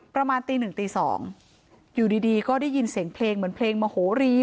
ประมาณตีหนึ่งตีสองอยู่ดีก็ได้ยินเสียงเพลงเหมือนเพลงมโหรี